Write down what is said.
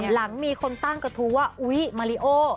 หลังมีคนตั้งกระทู้ว่าอุ๊ยมาริโอ